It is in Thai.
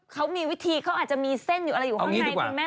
เขามีวิธีเขาอาจจะมีเส้นอยู่อะไรอยู่ข้างในคุณแม่